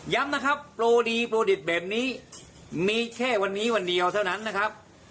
นะครับโปรดีโปรดิตแบบนี้มีแค่วันนี้วันเดียวเท่านั้นนะครับ